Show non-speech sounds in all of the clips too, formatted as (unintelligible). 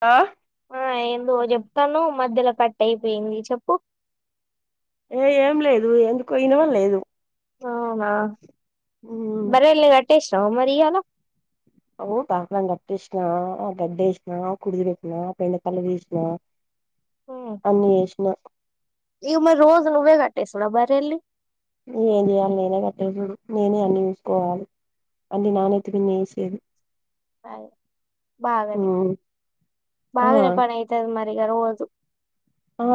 ఆ ఏందుో చెప్తాను మధ్యలో కట్ అయిపోయింది చెప్పు ఏ ఏం లేదు ఎందుకు పోయిన వాళ్ళ లేదు అవునా బర అట్టేష్ రా మరియాల ఓ డాక్ గట్టేిన గడ్ద్ద వసిన కుడుది వకునా పె తల్వి వసిన ఇవ మరి రోజు ను్వే కట్టేస్తడా బరిలి ఏం చేయ్యాలి నేనే కట్టే చడు నేనే అన్ని చూసుకోవాలి అండి ననేే తందిే సేదు బహనే ఆ బహనే పన అయితది మ అగోదు ఆ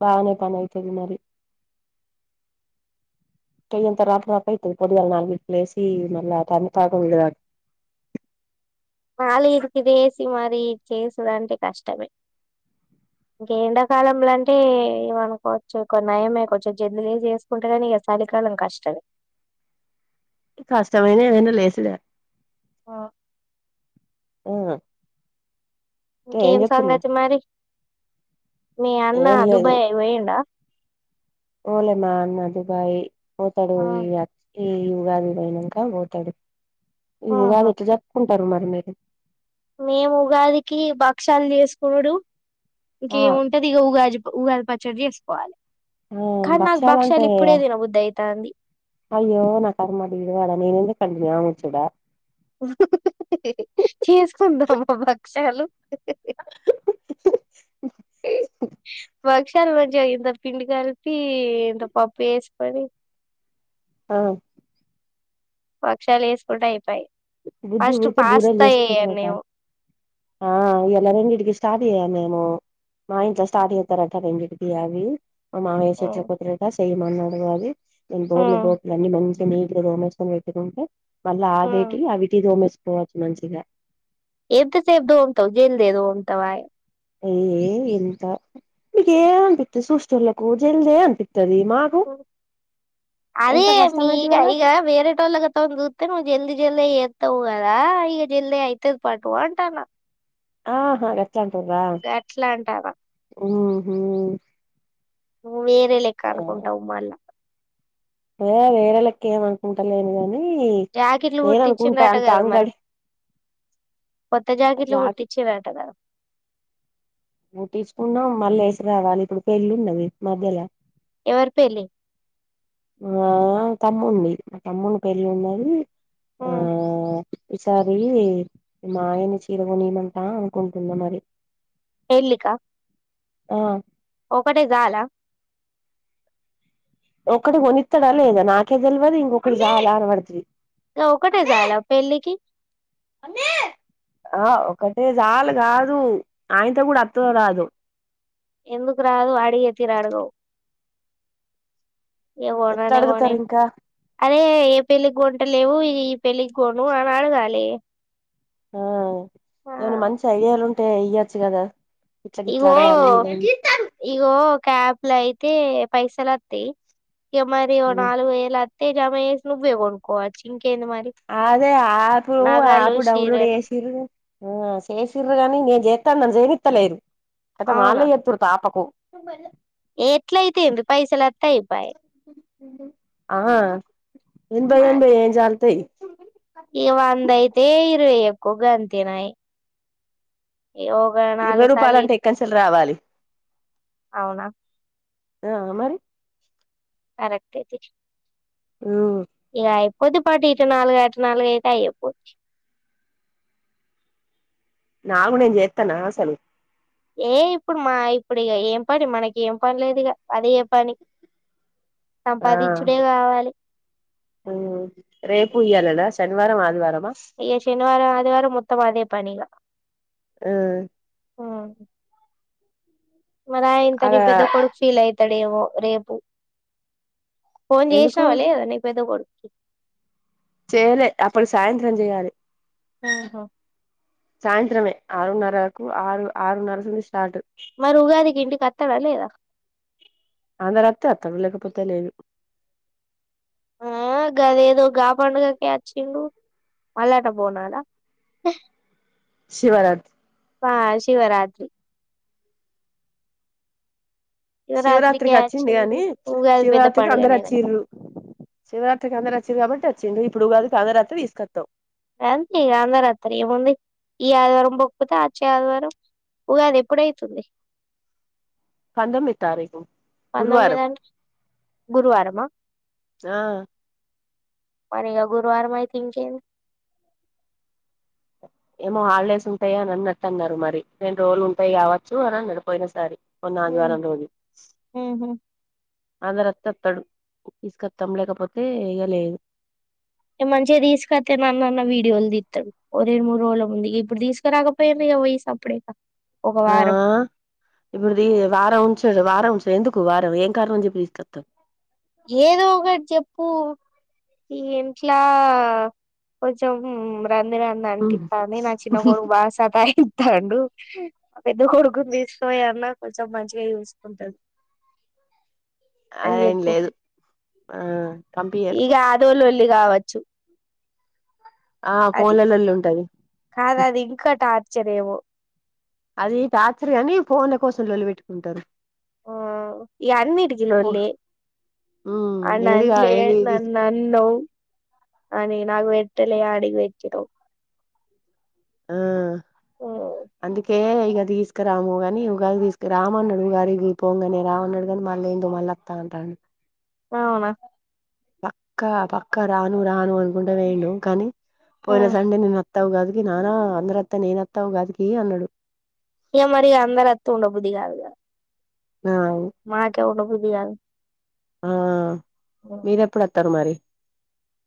బానే పనతుది మరి కంతర్పుప ఇ పడుదాలు నాలుగుీలేేసి నల్ తనతక ఉుదను మాల ఇరికిదేసి మరి ఇది చేసుడాంటే కష్టమే ఇంక ఎండాకాలంలో అంటే ఇ అనుకోవచ్చు నయమే కొచ్చు జద్లు చేసుకుంటే కానీ ఇక సలి ఎాల కష్టం కష్టటమైన అనా లేస్ ఆ ఆఓ ఇంకేం సంగతిి మరి మీ అన్న ఏం లేదు దుబాయ్ అ పోయండా ఓలే మా అన్న దుబాయి ఓతాడు ఆ. ఏ ఉగాది ఇదయినాక పోతాడు ఈ ఆహా ఉగాది ఇట్లా చెప్పుకుంటారు మరి మీరు మేము ఉగాదికి భక్ష్యాలు చేసుకున్నాడు ఆ ఇంకేముంటది ఇక ఉగాది ఉగాది పచ్చడి చేసుకోవాలి ఆ కానీ నాకు భక్షాలంటే భక్ష్యాలు ఇప్పుడేదిన బుద్ధ అవుతంది అయ్యో నా కరమాడి ఇడువ అాల ననుంది కళని అ ముచ్చుడా చేసుకుందామా భక్షాలు బ చాల మంచి ఇంత పిండి కలిపి ఇంత పప్పు వేసుకొని ఆ పక్షాలు వేసుకుంటా అయిపోయి బుద్ధి ఉడితే బూర చేస్తా నేను ఎంకిస్త స్టార్ట్ అయ్య మేము మా ఇంట్లో స్టార్ట్ అవుతారట రెంజకికి అవి మామయ చెట్లు కుతురట చెయ్యమన్నా అడు అది నేను బోర్లు బోట్లు అన్ని మంచి నీటిలో రోమేసుకొని పెట్టుకుంటే మళ్ళా ఆ వీటి అవిటి రోమేసుకోవచ్చు మంచిగా ఎబ్ త స ఎబ్దు తవు జల్దదుమ్ తయ అయ్యే ఎంత ఇగే అన్పితి సూష్టిల్లకుజల్దే అన్పి ఓ అదే ఎంత కష్టమైతది ఈగ ఆడ ఈగ వేరే టోల్గా తందతే నువ్వు జల్ద జల్ద తవుదా ఈ జిల్ అయితుది పాటు అంటానా ఆహా గచ్చాంటురా గట్లా అంటానా ఉహు నువ్వు వేరే లెక్క అనుకుంటావు మళ్ళా అ వేర లక్క ఏం అనుకుంటా లేదు గాని జాకెట్లు నేను కుట్టించి అనుకుంటా అంటా అంత కదా మరి అంగడి కొత్త జాకెట్లు జాకి కుట్టించి అంట కదా తీసుకున్నాం మళ్ళీ వేసి రావాలి ఇప్పుడు పెళ్ళి ఉన్నది మధ్యలో ఎవరి పెళ్ళి ఆ తమ్ముడి మా తమ్ముడి పెళ్ళి ఉన్నది ఆ ఈసారి మా ఆయని చీర కొనియమంటా అనుకుంటున్నా మరి పెళ్లి కా ఆ ఒకటి చాలా ఒక్కటి కొనిస్తాడా లేదా నాకే తెలియదు ఇంకొకటి కావాలా అని పడుతది ఒ ఒకటే చాల పెళ్లికి (inaudible) ఆ ఒకటే చాలు కాదు ఆయనతో కూడా వత్తదో రాదో ఎందుకు రాదు అడిగే తీరు అడగవు ఎట్లా ఏగోడానేగనే అడుగుతారు ఇంకా అరే ఏ పెళ్లికి గొంట లేవు ఈ పెళ్లికి కొను అని అడగాలే ఆమ్ ఏమన్నా మంచి ఐడియా లుంటే అయ్యొచ్చు కదా ఇట్లా గిట్లా ఇగో అడగాలి ఇదని ఇగో క్యాప్ ఇలా అయితే పైసలు వస్తాయి ఇక మరి ఓ ఉమ్. నాలుగు వేల తేజాస్ నువ్వే కోనుకోవాలి అదే ఆప్ నగలు ఆప్ డౌన్లోడ్ చీరలు చేసిర్ర చేసర్రు గాని నే జ తను నన్ను జీవిత్తలేదు అద మాలయ్యత్తూరు తపకు ఎట్లాయితే పైస లేతాయ పోయే ఆ ఎం భయ ఏని భయ ఏం చాలతయి ఇక వంద అయితే ఇరవై ఎక్కువగా అ తినయి ఇరవై రూపాయల సార్లు ఇ అంటే ఇంకా చిల్ల రావాలి అవునా ఆ మరి కర్కెక్ట్ ఏ ఆమ్ కొద్దిపాటి ఇటు నాలుగు అటు నాలుగు అయితే అయ్యపోవచ్చు నాలుగు నేను చేత్తనా అసలు ఏ ఇప్పుడు మా ఇప్పుడుక ఏం పని మనకి ఏం పని లేదుక అది ఏ పని ఆ సంపాదించుడే కావాలి రేపు ఇయ్యలేనా శనివారం ఆదివారం అయ్య శనివారం ఆదివారం మొత్తం అదే పనిక ఉమ్ మరి ఇంత నీ అలా పెద్ద కొడుకు ఫీల్ అవుతాడేమో రేపు ఫోన్ ఎందుకు చేసినవా లేదా నీ పెద్ద కొడుక్కి చేయలే అప్పుడు సాయంత్రం చెయాలి ఆహా సాయంత్రమే ఆరున్నర ఆరు ఆరున్నర సంచి స్టార్ట్ మరి ఉగాదికి ఇంటికి వత్తాడా లేడా అందరు వస్తే వత్తడు లేకపోతే లేదు ఆ గదెదో గా పండుగకె వచ్చిండు మల్లన్న బోనాలా శివరాత్ ఆ శివరాత్రి శివరాత్రికే శివరాత్రికి వచ్చింది అచ్చిండు గాని ఉగాది పెద్ద శివరాత్రికి అందరు పండుగనేనా వచ్చిరు శివరాత్రికి అందరు వచ్చిరు కాబట్టి వచ్చిండు ఇప్పుడు ఉగాదికి అందరు వత్తే తీసుకొత్తమ్ అంతే ఇగ అందరు వత్తరు ఏముంది ఈ ఆదివారం పోక్పొతే అ వచ్చే ఆదివారం ఉగాది ఎప్పుడైతుంది పందొమ్మిది తారీకు పంతొమ్మిది గురువారం అంటే గురువారమా ఆ మరి ఇగా గురువారం అయితే ఇంకేంది ఏమో హాలిడేస్ ఉంటాయాని అని అనట్టు అన్నారు మరి రెండ్ రోజులు ఉంటాయి కావచ్చు అని అన్నడు పోయిన సారి మొన్న ఉమ్ ఆదివారం రోజు ఉహు అందరు వత్తే వత్తడు తీసుకత్తం లేకపోతే ఇగ లేదు మంచిగా తీసుకొత్తే నన్ననా వీడియోలు తిత్తరు ఒ రెండు మూరోల ముందు ఇగ ఇప్పుడు తీసుకురాకపోయిళ్ళు ఇగ తీసుకపోయి సప్పుడేక ఒక ఆ వారం ఇప్పుడు ది వారం (unintelligible) వారం ఉచ్ ఎందుకు వారం ఏం కారణం చెప్పి తిస్కోత్తవ్ ప్పు ఈ ఇంట్లా కొంచెం రంది రంది అనిపితాంది నా చిన్న కొడుకు బాగా సతాయిత్తండు మా పెద్ద కొడు కొడుకును తీస్కపోయన్న కొంచెం మంచిగా చూసుకుంటది అదేం లేదు ఆ పంపియ్యరు ఇగ ఆదో లోల్లి కావచ్చు ఆ ఫోన్ల లొల్లి ఉంటది కాదది ఇంకా టర్చర్ ఏమో అది టచర్ గని ఫోన్ల కోసం లొల్లి పెట్టుకుంటరు ఓ ఇయన్నిటికి లొల్లే ఉమ్ ఏదిగా ఆనన్లే ఏది ఇది నన్ను అన్నవ్ అని నాకు పెట్టలే ఆడికి పెట్టినవ్ ఆ మ్మ్ అందుకే ఇగ తీసుకురాముగని ఉగాది తీసుక రామ్ అన్నాడు ఉగాదికి పోంగనే రామ్ అన్నాడు గనీ మళ్ళ ఏందో మళ్ళ వత్త అంట అన్ అవునా పక్కా పక్క రాను రాను అనుకుంట పోయిండు కని పోయిన మ్మ్ సండే నిన్న వత్త ఉగాదికి నాన్న అందరు వత్తె నేనత్తా ఉగాదికి అన్నడు ఇగ మరి అందరు వత్తె ఉండబుద్ది కాదుగ ఆ మాకె ఉండబుద్ది గాదు ఆ మీరెప్పుడు వత్తరు మరి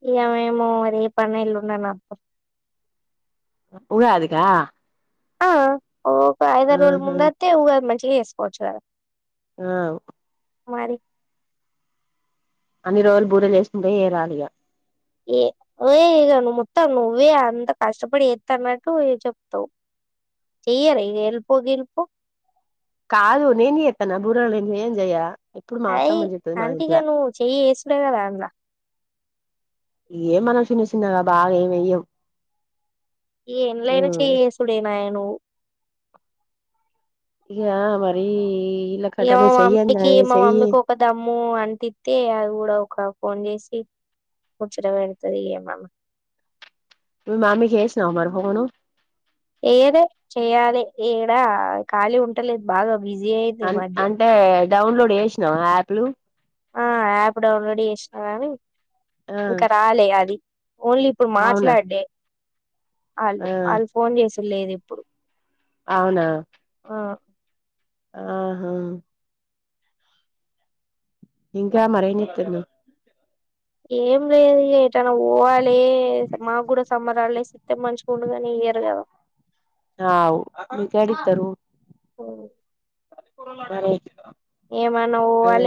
ఇగ మేము రేపన్న ఎల్లుండన్న వ ఉగాది కా ఆ ఒక ఐదా రోల ముందు వత్తె మంచిగా చేసుకోవచ్చు కదా ఆవ్ మరి అన్ని రోలు బూరెలు చేసుకుంటే ఇగ రాదు ఇగ ఏ ఒయే ఇగ నువ్ మొత్తం నువ్వే అంత కష్టపడి చెత్తన్నట్టు ఇగ చెప్తావ్ చెయ్యారా ఇగ హెల్పో గ్లీపో కాదు నేన్ చెత్తనా బురెలు నేన్ (inaudible) చెయ్య ఎప్పుడు మా ప్రైయి అత్తమ్మ చెత్తది మా అంటి ఇగ ఇంట్ల నువ్వు చెయ్యి ఏసుడే కదా అన్లా ఏ మనం చిన్న చిన్నగా బాగా ఏమియ్యం ఇగ ఎన్లైనా చేయేసుడేనాయ నువు ఇగా మరీ ఇగ మా మమ్మీకి మా మమ్మీకి ఒక దమ్ము అంటిత్తే అది కూడా ఒక ఫోన్ చేసి ముచ్చట పెడుతది ఇయమ్మ మీ మమ్మీకి చేసినవా మరి ఫోను. చేయలే చెయాలి ఏడా ఖాళీ ఉంటలేదు బాగా బిజీ అయింది ఈ అం మధ్య అంటే డౌన్లోడ్ చేసినవా ఆప్లు. ఆ యాప్ డౌన్లోడ్ చేసిన గాని ఆ ఇంక రాలే అది. ఓన్లీ ఇప్పుడు అవునా మాట్లాడుడే. ఆళ్ళు ఆ ఆళ్ళు ఫోన్ చేసుడు లేదు ఇప్పుడు. అవునా. ఆ ఆ హాఁ ఇంకా అట్లా మరేంజేత్తురు? ఏం లేదు ఏటనా పోవాలే, మాకు కూడా సమ్మర్ ఆల్డేస్ ఇత్తే మంచిగ ఉండు గాని ఇయ్యరు గదా. ఆఁ మీకేడిత్తరు. మ్ మరే ఏమన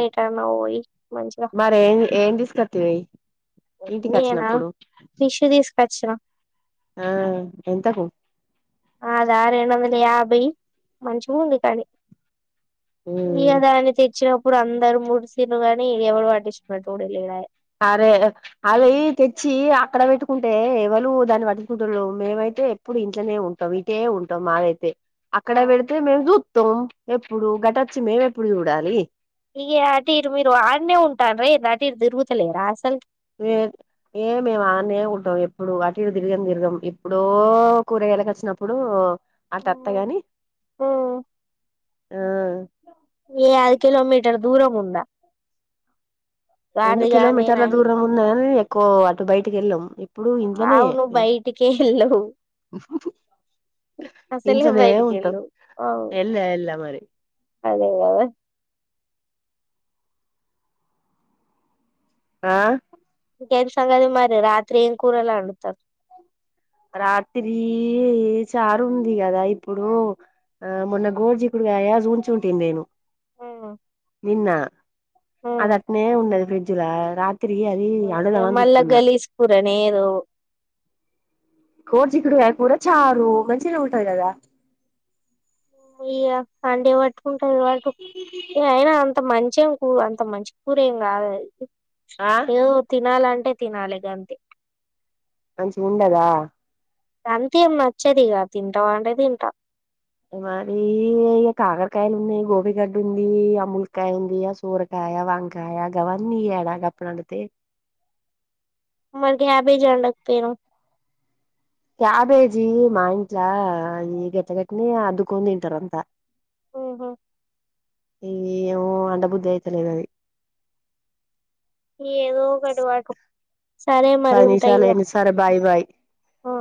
ఎటన వోయి మంచిగ మరేం (unintelligible) ఇంటికి నేనా వచ్చినప్పుడు ఫిష్ తీసుకొచ్చిన. ఆఁ ఎంతకు? అదా రెండు వందల యాభై మంచిగ ఉంది కాని. ఇగ దానికి తెచ్చె ప్పుడు అందరు ముడిసిండ్రు గాని ఎవడు వాటించుకునెటోడే లేడాయే. అరే అవి తెచ్చి అక్కడ పెట్టుకుంటే ఎవళు దాన్ని పట్టిచుకుంటులు మేమై తే ఎప్పుడు ఇంట్లనే ఉంటం, ఇటే ఉంటం మావైతే అక్కడ వెడితే మేము జూత్తం ఎప్పుడు గటొచ్చి మేమెప్పుడు చూడాలి. ఇగ అటు ఇటు మీరు ఆడ్నే ఉంటాండ్రా ఏంది అటు ఇటు తిరుగుతలేరా అసల్ లేదు ఏ మేము ఆనే ఉంటం ఎప్పుడు అటు తిరుగం గిరుగం ఎప్పుడో కూరగాయలకు వచ్చినప్పుడూ అటత్త అసలు గానీ ఆఁ ఈ అది కిలోమీటర్ దూరం ఉంద? ఎన్ని నేనా కిలోమీటర్ల దూరం ఉన్న గాని ఎక్కువ అటు బయటికి వెళ్ళం ఎ ప్పుడు ఇంట్లనే అవు నువ్వు మేం బయటికే వెళ్ళవు అసలే ఇంట్లనే బయటికి ఉంటం వెళ్ళవు అవు ఎళ్ళ వెళ్ళ మరి అదే కదా ఆఁ ఇంకేం సంగతి మరి రాత్రి ఏం కూరలండుతరు రాత్రీ చారు ఉంది కదా ఇప్పుడు ఆ మొన్న గోడ్చికుడుగాయా చుంచింటి నేను మ్మ్ నిన్న అది అట్నే ఉన్నది ఫ్రిడ్జ్లా రాత్ తిరిగి అది ఇగ అడుగుదం అని మళ్ళా జూతున్న గలీజ్ కూరనే ఏదో కోడ్చిక్కుడుగాయ కూర చారు మంచిగనే ఉంటది కదా. ఇగ సండే పట్టుకుంటది పటు ఇగ అయినా అంత మంచేం కూ అంత మంచి కూర ఏం కాదు అది ఆ ఏదో నాలంటే తినాలి గంతే మంచిగ ఉండదా! అంతేం నచ్చదిగ తింటవా అంటే తింట మరి ఇ కాకరకాయాలు ఉన్నాయి గోబీగడ్డ ఉంది ఆ ములికాయ ఉంది ఆ సూరకాయ కాయా వంకాయ గవన్ని ఇయాల గప్పుడు వండితే మరి క్యాబేజ్ ఉండకపోయినావు క్యాబేజీ మా ఇంట్ల ఈ గట్ట గట్టనే అద్దుకొని తింటారు అంతా ఊహ ఈ ఏమో వండబుద్ధి అయితలేదు అది ఈ ఏదో ఒకటి పాకు సరే మరి పది ఉంటా నిమిషాలు ఇగ అయింది సరే బాయ్ బాయ్ ఆ